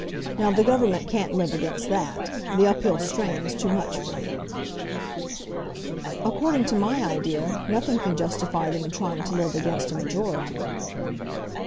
Now the Government can't live against that. The uphill strain is too much for them." "According to my idea, nothing can justify them in trying to live against a majority."